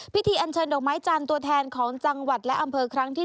อันเชิญดอกไม้จันทร์ตัวแทนของจังหวัดและอำเภอครั้งที่๑